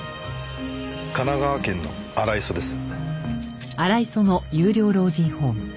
神奈川県の荒磯です。